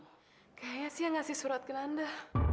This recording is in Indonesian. kayaknya sih yang ngasih surat ke anda